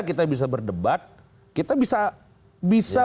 kita bisa berdebat kita bisa